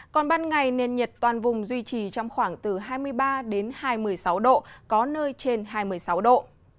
còn ban ngày nền nhiệt toàn vùng duy trì trong khoảng từ hai mươi ba đến hai mươi sáu độ có nơi trên hai mươi sáu độ